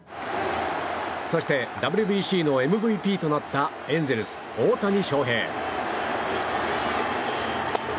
そして、ＷＢＣのＭＶＰとなったエンゼルス、大谷翔平。